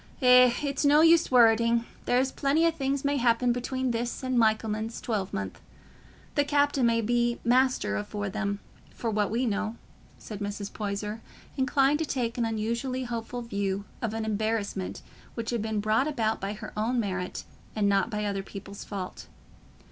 "Eh, it's no use worreting; there's plenty o' things may happen between this and Michaelmas twelvemonth. The captain may be master afore them, for what we know," said Mrs. Poyser, inclined to take an unusually hopeful view of an embarrassment which had been brought about by her own merit and not by other people's fault.